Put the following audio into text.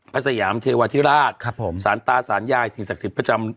พระสยามเทวาธิราชครับผมสรรตาสรรหญ้าสินศักดิ์สินประจำ